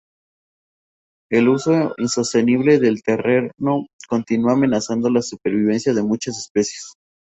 El uso insostenible del terreno continúa amenazando la supervivencia de muchas especies.